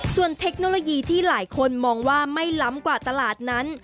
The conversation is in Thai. ส่วนเทคโนโลยีที่หลายคนมองว่าไม่ล้ำกว่าตลาดนั้น